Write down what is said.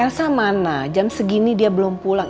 rasa mana jam segini dia belum pulang